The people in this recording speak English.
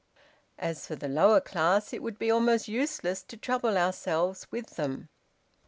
As for the lower class, it would be almost useless to trouble ourselves with them."